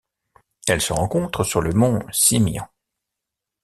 Elle se rencontre sur le mont Simian.